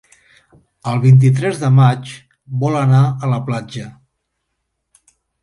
El vint-i-tres de maig vol anar a la platja.